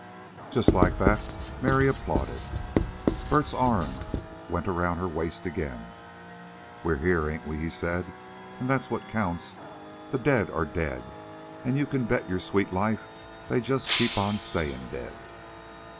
"Just like that," Mary applauded. Bert's arm went around her waist again. "We're here, ain't we?" he said. "An' that's what counts. The dead are dead, an' you can bet your sweet life they just keep on stayin' dead."